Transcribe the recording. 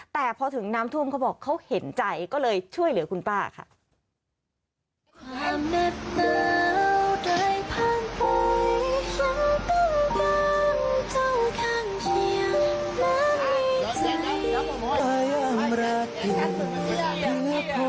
แต่พอถึงน้ำท่วมเขาบอกเขาเห็นใจก็เลยช่วยเหลือคุณป้าค่ะ